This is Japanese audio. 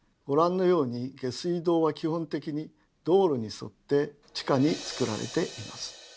ご覧のように下水道は基本的に道路に沿って地下につくられています。